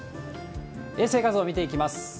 衛星画像見ていきます。